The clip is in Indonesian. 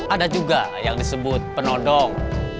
ada juga yang disebut penodong